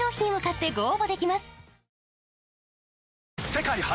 世界初！